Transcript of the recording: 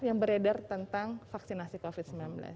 yang beredar tentang vaksinasi covid sembilan belas